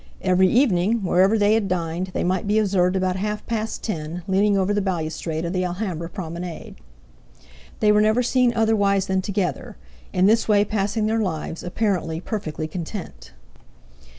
Every evening, wherever they had dined, they might be observed about half past ten, leaning over the balustrade of the Alhambra promenade. They were never seen otherwise than together; in this way passing their lives, apparently perfectly content.